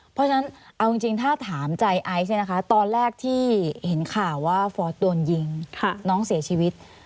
เพราะฉะนั้นเอาจริงถ้าถามใจไอซ์เนี่ยนะคะตอนแรกที่เห็นข่าวว่าฟอร์สโดนยิงน้องเสียชีวิต